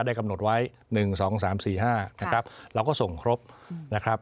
กำหนดไว้๑๒๓๔๕นะครับเราก็ส่งครบนะครับ